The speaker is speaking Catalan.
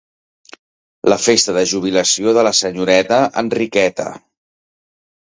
La festa de jubilació de la senyoreta Enriqueta.